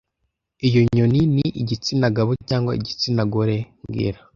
Iyo nyoni ni igitsina gabo cyangwa igitsina gore mbwira